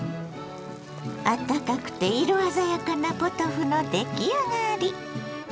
あったかくて色鮮やかなポトフの出来上がり。